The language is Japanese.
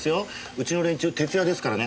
うちの連中徹夜ですからね。